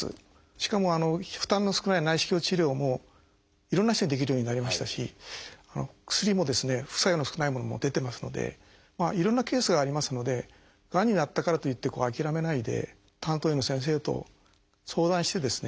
しかも負担の少ない内視鏡治療もいろんな人にできるようになりましたし薬も副作用の少ないものも出てますのでいろんなケースがありますのでがんになったからといって諦めないで担当医の先生と相談してですね